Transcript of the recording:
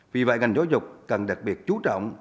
vì vậy ngành giáo dục cần đặc biệt chú trọng